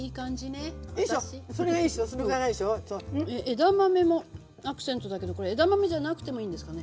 枝豆もアクセントだけどこれ枝豆じゃなくてもいいんですかね？